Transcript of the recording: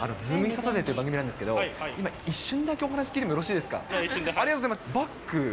サタデーという番組なんですけど、今、一瞬だけ、お話聞いてもよろしいですか？